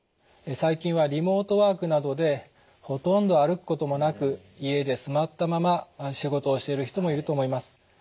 最近はリモートワークなどでほとんど歩くこともなく家で座ったまま仕事をしている人もいると思います。